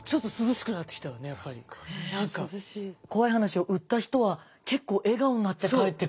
怖い話を売った人は結構笑顔になって帰ってくって。